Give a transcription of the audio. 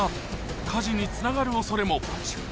火事につながるおそれも。